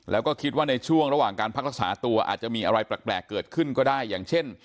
แล้วก็คิดว่าในช่วงระหว่างการพักรักษาตัวอาจจะมีอะไรแปลกเกิดขึ้นก็ได้อย่างเช่น